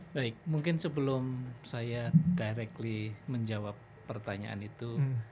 baik mungkin sebelum saya directly menjawab pertanyaan itu